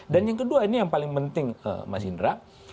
dan yang kedua ini yang paling penting mas indra